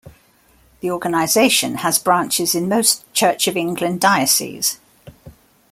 The organization has branches in most Church of England dioceses.